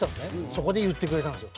そこで言ってくれたんですよ